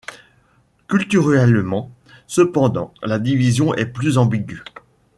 Culturellement, cependant, la division est plus ambigüe.